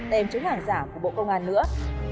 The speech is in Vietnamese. tem chống giả của bộ công an nữa